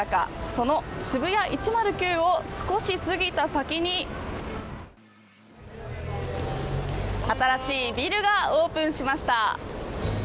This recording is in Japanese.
そのＳＨＩＢＵＹＡ１０９を少し過ぎた先に新しいビルがオープンしました。